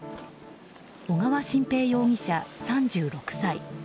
小川晋平容疑者、３６歳。